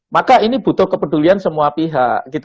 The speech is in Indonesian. maka ini butuh kepedulian semua pihak